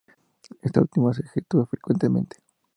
Esta última se ejecuta frecuentemente.